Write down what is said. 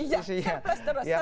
ya surplus terus